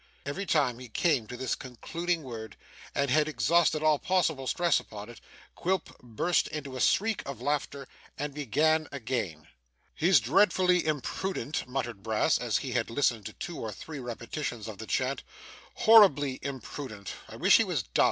Every time he came to this concluding word, and had exhausted all possible stress upon it, Quilp burst into a shriek of laughter, and began again. 'He's dreadfully imprudent,' muttered Brass, after he had listened to two or three repetitions of the chant. 'Horribly imprudent. I wish he was dumb.